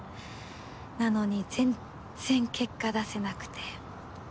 なのに全然結果出せなくて。